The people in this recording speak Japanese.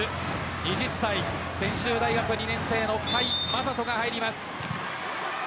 二十歳、専修大学２年生の甲斐優斗が入ります。